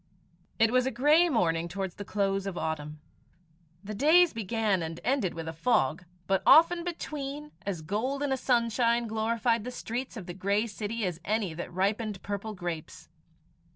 It was a grey morning towards the close of autumn. The days began and ended with a fog, but often between, as golden a sunshine glorified the streets of the grey city as any that ripened purple grapes.